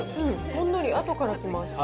ほんのり、あとから来ます。